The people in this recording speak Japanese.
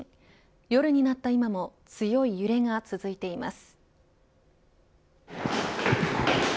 夜になった今も強い揺れが続いています。